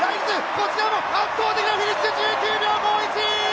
こちらも圧倒的なフィニッシュ１９秒５１！